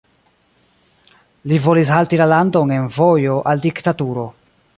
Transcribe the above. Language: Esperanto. Li volis halti la landon en vojo al diktaturo.